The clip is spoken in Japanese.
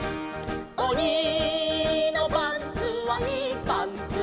「おにのパンツはいいパンツ」